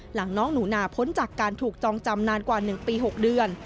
หลังน้องหนูนาพ้นจากการถูกจองจำนานกว่า๑ปี๖เดือน